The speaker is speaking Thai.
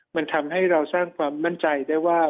มันทำให้เราสร้างความมั่นใจได้ว่า